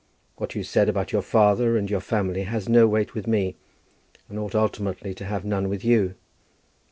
What you said about your father and your family has no weight with me, and ought ultimately to have none with you.